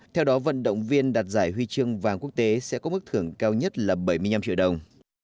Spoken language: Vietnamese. theo đó vận động viên đạt giải huy chương vàng quốc tế sẽ có mức thưởng cao nhất là bảy mươi năm triệu đồng